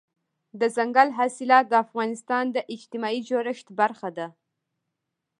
دځنګل حاصلات د افغانستان د اجتماعي جوړښت برخه ده.